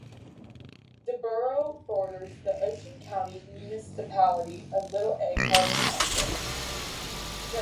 The borough borders the Ocean County municipality of Little Egg Harbor Township.